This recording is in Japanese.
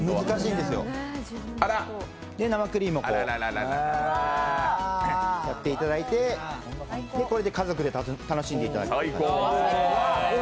で、生クリームをこう、やっていただいてこれで家族で楽しんでいただく。